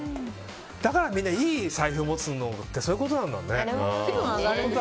みんないい財布を持つのってそういうことなんだね。